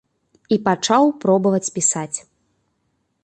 І пачаў пробаваць пісаць.